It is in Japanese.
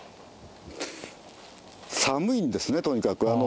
寒いんですね、とにかく。